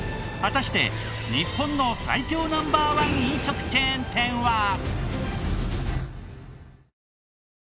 果たして日本の最強Ｎｏ．１飲食チェーン店は？